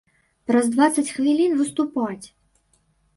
Праз дваццаць хвілін выступаць!